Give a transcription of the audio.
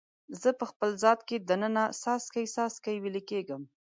زه په خپل ذات کې د ننه څاڅکي، څاڅکي ویلي کیږم